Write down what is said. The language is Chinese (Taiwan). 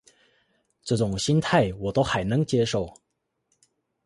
這種心態我都還能接受